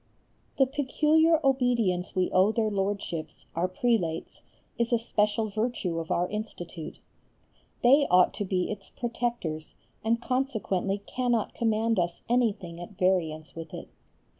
The peculiar obedience we owe their Lordships, our prelates, is a special virtue of our Institute. They ought to be its protectors and consequently cannot command us anything at variance with it.